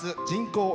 人口